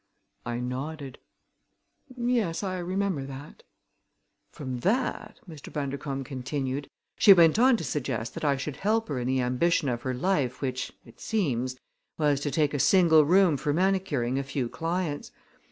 I nodded. "Yes, I remember that." "From that," Mr. Bundercombe continued, "she went on to suggest that I should help her in the ambition of her life, which, it seems, was to take a single room for manicuring a few clients.